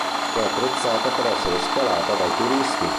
È attrezzata per essere scalata dai turisti.